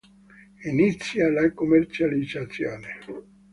Inizia la commercializzazione.